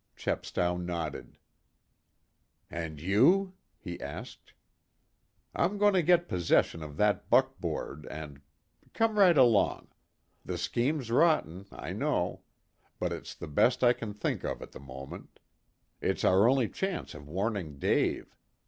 Chepstow nodded. "And you?" he asked. "I'm going to get possession of that buckboard, and come right along. The scheme's rotten, I know. But it's the best I can think of at the moment. It's our only chance of warning Dave.